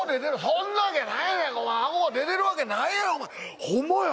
そんなわけないやねんかお前あごが出てるわけないやろお前ホンマや！